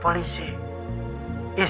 kamu mau menyesal youth safety